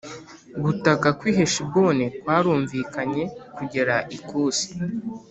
Gutaka kw i Heshiboni kwarumvikanye kugera ikusi